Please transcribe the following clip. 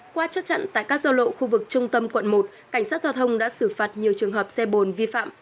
qua chất chặn tại các giao lộ khu vực trung tâm quận một cảnh sát giao thông đã xử phạt nhiều trường hợp xe bồn vi phạm